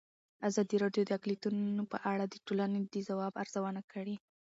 ازادي راډیو د اقلیتونه په اړه د ټولنې د ځواب ارزونه کړې.